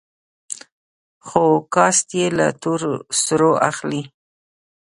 خو کسات يې له تور سرو اخلي.